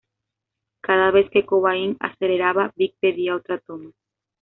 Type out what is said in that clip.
Cada vez que Cobain aceleraba, Vig pedía otra toma.